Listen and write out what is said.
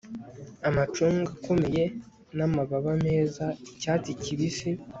amacunga akomeye n'amababa meza, icyatsi kibisi